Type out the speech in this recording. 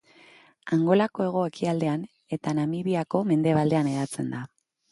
Angolako hego-ekialdean eta Namibiako mendebaldean hedatzen da.